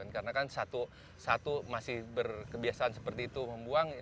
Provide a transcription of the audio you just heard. karena satu masih berkebiasaan seperti itu membuang